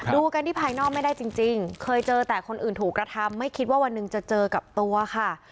ดูกันที่ภายนอกไม่ได้จริงเคยเจอแต่คนอื่นถูกกระทำไม่คิดว่าวันหนึ่งจะเจอกับตัวค่ะ